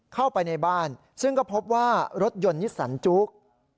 เข้าไปในบ้านซึ่งก็พบว่ารถยนต์นิสสันจุ๊ก